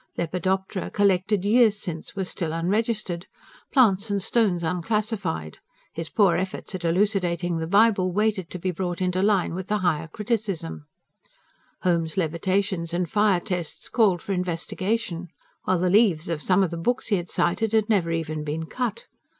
Lepidoptera collected years since were still unregistered, plants and stones unclassified; his poor efforts at elucidating the Bible waited to be brought into line with the Higher Criticism; Home's levitations and fire tests called for investigation; while the leaves of some of the books he had cited had never even been cut.